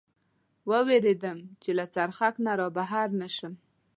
و وېرېدم، چې له څرخک نه را بهر نه شم.